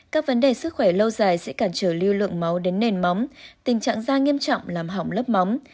các vấn đề sức khỏe lâu dài sẽ cản trở lưu lượng máu đến nền móng tình trạng da nghiêm trọng làm hỏng lớp móng